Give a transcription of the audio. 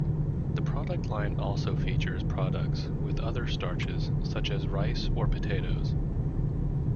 The product line also features products with other starches, such as rice or potatoes.